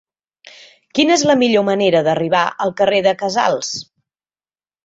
Quina és la millor manera d'arribar al carrer de Casals?